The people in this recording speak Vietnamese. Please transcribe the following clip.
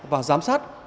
và giám sát